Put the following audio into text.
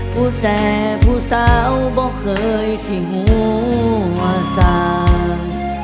ผู้แส่ผู้สาวบอกเคยที่หัวสาว